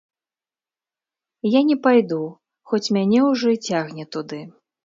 Я не пайду, хоць мяне ўжо і цягне туды.